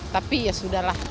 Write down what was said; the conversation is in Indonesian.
tapi ya sudah lah